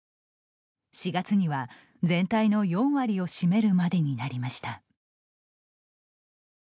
４月には全体の４割を占めるまでになりました。